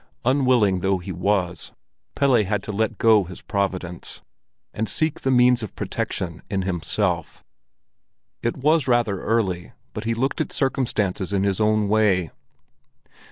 Unwilling though he was, Pelle had to let go his providence, and seek the means of protection in himself. It was rather early, but he looked at circumstances in his own way.